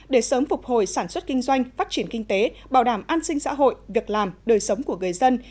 để sớm phục hồi sản xuất kinh doanh phát triển kinh tế bảo đảm an sinh xã hội việc làm đời sống của người dân